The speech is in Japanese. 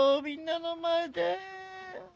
みんなの前で。